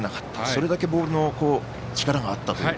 それだけ、ボールの力があったという。